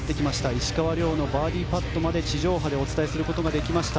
石川遼のバーディーパットまで地上波でお伝えすることができました。